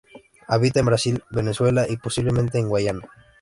Habita en Brasil, Venezuela y posiblemente en Guayana.